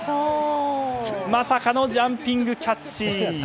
まさかのジャンピングキャッチ。